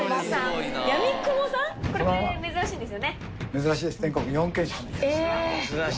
珍しいです。